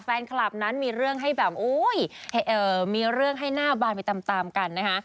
แฟนคลับนั้นมีเรื่องให้แบบมีเรื่องให้หน้าบานไปตามกันนะคะ